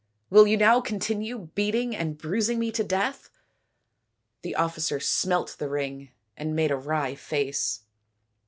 Will you now continue beating and bruising me to death ?" The officer smelt the ring and made a wry face.